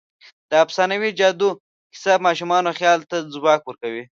د افسانوي جادو کیسه د ماشومانو خیال ته ځواک ورکوي.